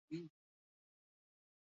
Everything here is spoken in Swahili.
sababu kwa msingi haki za binadamu